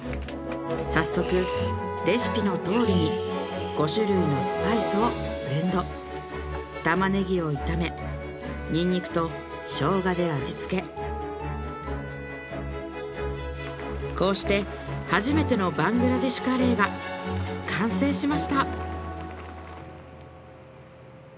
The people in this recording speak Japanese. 早速レシピの通りに５種類のスパイスをブレンドタマネギを炒めニンニクとショウガで味付けこうして初めてのバングラデシュカレーが完成しました